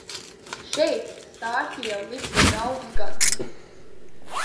Šeit stārķi jau ligzdo daudzus gadus